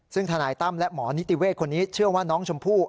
ซึ่งทนายตั้มและหมอนิติเวศคนนี้เชื่อว่าน้องชมพู่